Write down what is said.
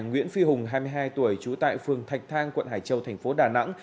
nguyễn phi hùng hai mươi hai tuổi trú tại phường thạch thang quận hải châu thành phố đà nẵng